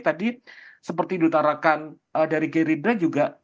tadi seperti ditarakan dari geri drei juga